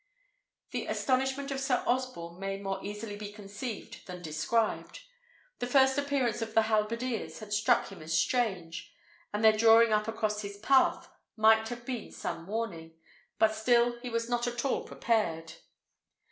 The astonishment of Sir Osborne may more easily be conceived than described. The first appearance of the halberdiers had struck him as strange, and their drawing up across his path might have been some warning, but still he was not at all prepared.